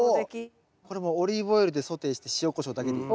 これもうオリーブオイルでソテーして塩こしょうだけでいい。